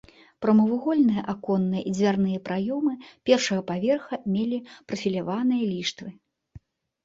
Прамавугольныя аконныя і дзвярныя праёмы першага паверха мелі прафіляваныя ліштвы.